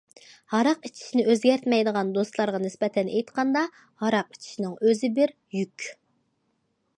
ھاراق ئىچىشنى ئۆزگەرتمەيدىغان دوستلارغا نىسبەتەن ئېيتقاندا، ھاراق ئىچىشنىڭ ئۆزى بىر يۈك.